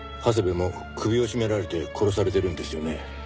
長谷部も首を絞められて殺されてるんですよね？